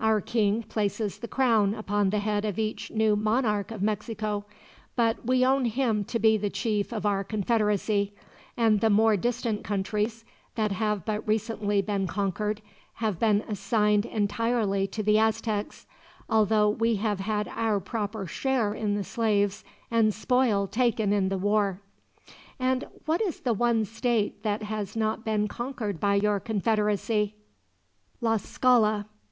Our king places the crown upon the head of each new monarch of Mexico, but we own him to be the chief of our Confederacy, and the more distant countries, that have but recently been conquered, have been assigned entirely to the Aztecs, although we have had our proper share in the slaves and spoil taken in the war." "And what is the one state that has not been conquered by your Confederacy?" "Tlascala.